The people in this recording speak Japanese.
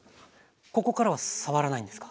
ここからは触らないんですか？